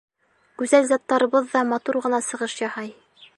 Гүзәл заттарыбыҙ ҙа матур ғына сығыш яһай.